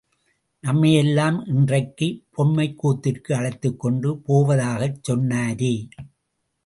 நம்மையெல்லாம் இன்றைக்குப் பொம்மைக்கூத்திற்கு அழைத்துக் கொண்டு போவதாகச் சொன்னாரே!